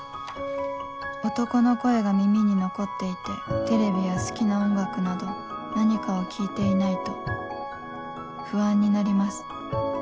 「男の声が耳に残っていてテレビや好きな音楽など何かを聞いていないと不安になります」